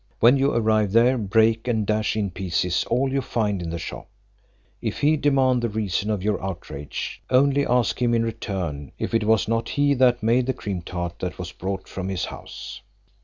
When you arrive there, break and dash in pieces all you find in the shop: if he demand the reason of your outrage, only ask him in return if it was not he that made the cream tart that was brought from his house.